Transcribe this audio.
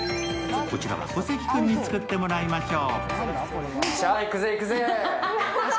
こちらは小関君に作ってもらいましょう。